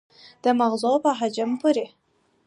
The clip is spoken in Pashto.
د مغزو په حجم پورې